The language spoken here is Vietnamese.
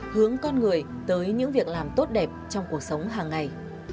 hướng con người tới những việc làm tốt đẹp trong cuộc sống hàng ngày